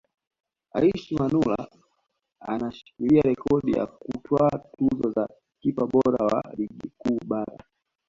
Aishi Manula anashikilia rekodi ya kutwaa tuzo za kipa bora wa Ligi Kuu Bara